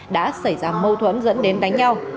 đã xảy ra mâu thuẫn dẫn đến đánh nhau